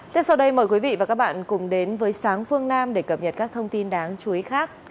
tiếp sau đây mời quý vị và các bạn cùng đến với sáng phương nam để cập nhật các thông tin đáng chú ý khác